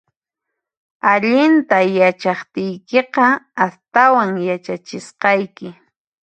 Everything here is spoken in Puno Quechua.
Allinta yachaqtiykiqa, astawan yachachisqayki